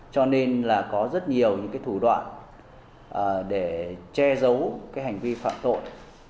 cho nên là có rất nhiều thủ đoạn để che giấu hành vi phạm tội